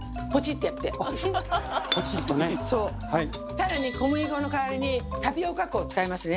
更に小麦粉の代わりにタピオカ粉を使いますね。